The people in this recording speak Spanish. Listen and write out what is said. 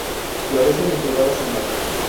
Florecen en curvadas cimas.